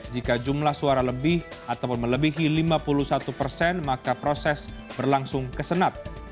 jika jumlah suara lebih ataupun melebihi lima puluh satu persen maka proses berlangsung ke senat